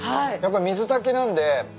やっぱ水炊きなんで。